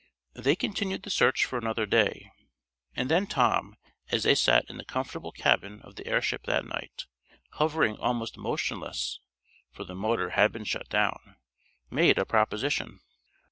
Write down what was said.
They continued the search for another day, and then Tom, as they sat in the comfortable cabin of the airship that night, hovering almost motionless (for the motor had been shut down) made a proposition.